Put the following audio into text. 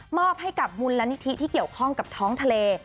อบให้กับมูลนิธิที่เกี่ยวข้องกับท้องทะเล